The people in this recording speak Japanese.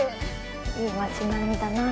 いい町並みだな。